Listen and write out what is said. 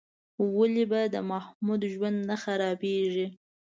ولې به د محمود ژوند نه خرابېږي؟